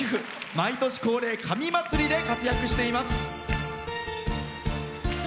毎年恒例、紙まつりで活躍しています。